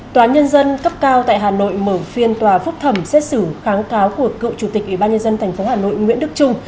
tòa nhân dân cấp cao tại hà nội mở phiên tòa phúc thẩm xét xử kháng cáo của cựu chủ tịch ủy ban nhân dân tp hà nội nguyễn đức trung